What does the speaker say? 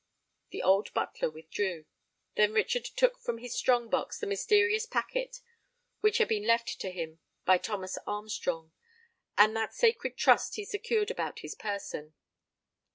The old butler withdrew. Then Richard took from his strong box the mysterious packet which had been left to him by Thomas Armstrong; and that sacred trust he secured about his person.